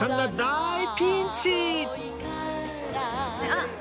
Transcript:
あっ！